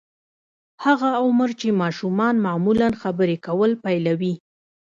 هغه عمر چې ماشومان معمولاً خبرې کول پيلوي.